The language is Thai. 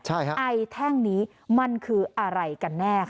ไอแท่งนี้มันคืออะไรกันแน่ค่ะ